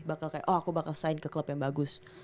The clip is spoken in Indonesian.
bakal kayak oh aku bakal sign ke klub yang bagus